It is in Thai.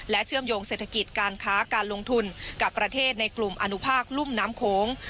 เชื่อมโยงเศรษฐกิจการค้าการลงทุนกับประเทศในกลุ่มอนุภาคลุ่มน้ำโขง